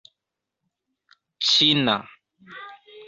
ĉina